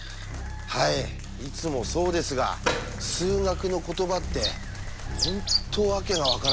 はいいつもそうですが数学の言葉って本当訳が分からないですよね。